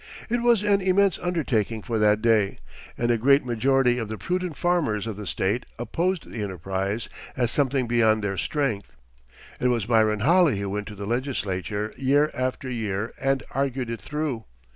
It was an immense undertaking for that day, and a great majority of the prudent farmers of the State opposed the enterprise as something beyond their strength. It was Myron Holley who went to the legislature year after year, and argued it through.